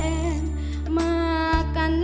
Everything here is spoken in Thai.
เพลงที่สองเพลงมาครับ